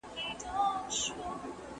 تل د ښه راتلونکي هیله ولرئ.